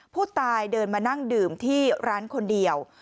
ผู้ตายเดินมานั่งดื่มที่ร้านคนเดียว